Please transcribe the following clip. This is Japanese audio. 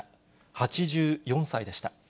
８４歳でした。